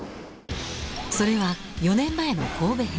それは４年前の神戸編。